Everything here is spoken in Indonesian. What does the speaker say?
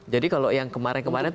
jadi kalau yang kemarin kemarin itu